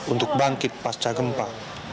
untuk bangkit pasca gempa